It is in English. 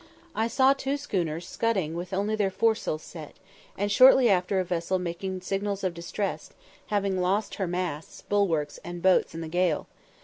I saw two schooners scudding with only their foresails set, and shortly after a vessel making signals of distress, having lost her masts, bulwarks, and boats in the gale.